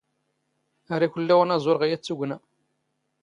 ⴰⵔ ⵉⴽⵯⵍⵍⴰ ⵓⵏⴰⵥⵓⵕ ⵖ ⵢⴰⵜ ⵜⵓⴳⵏⴰ.